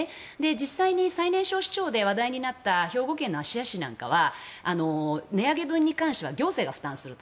実際に最年少市長で話題になった兵庫県芦屋市なんかは値上げ分に関しては行政が負担すると。